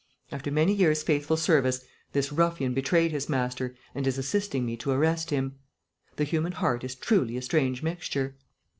After many years' faithful service this ruffian betrayed his master and is assisting me to arrest him. The human heart is truly a strange mixture.